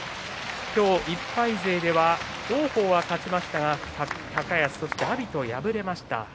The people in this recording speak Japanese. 今日、１敗勢では王鵬が勝ちましたが高安、そして阿炎と敗れました。